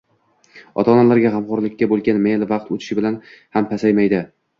ota-onalarda g‘amxo‘rlikka bo‘lgan mayl vaqt o‘tishi bilan ham pasaymaydi.